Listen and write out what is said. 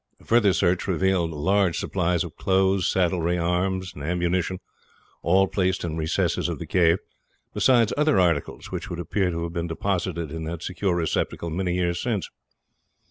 Further search revealed large supplies of clothes, saddlery, arms, and ammunition all placed in recesses of the cave besides other articles which would appear to have been deposited in that secure receptacle many years since.